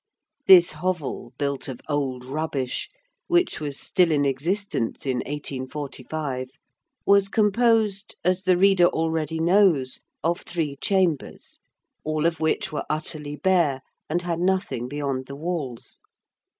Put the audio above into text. This hovel, built of old rubbish, which was still in existence in 1845, was composed, as the reader already knows, of three chambers, all of which were utterly bare and had nothing beyond the walls.